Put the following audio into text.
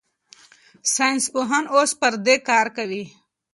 ساینسپوهان اوس پر دې کار کوي.